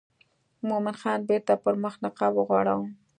مومن خان بیرته پر مخ نقاب وغوړاوه.